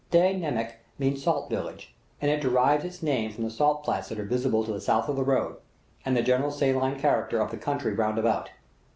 "Deh Namek" means "salt village;" and it derives its name from the salt flats that are visible to the south of the road, and the general saline character of the country round about.